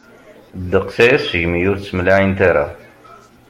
Ddeqs aya segmi ur ttemlaɛint ara.